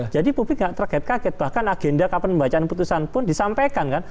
jadi publik tidak terkait kaget bahkan agenda kapan membacaan putusan pun disampaikan kan